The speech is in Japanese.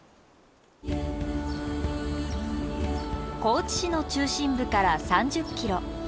高知市の中心部から３０ｋｍ。